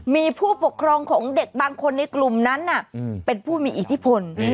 มีผู้ปกครองของเด็กบางคนในกลุ่มนั้นเป็นผู้มีอิทธิพล